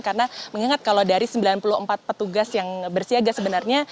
karena mengingat kalau dari sembilan puluh empat petugas yang bersiaga sebenarnya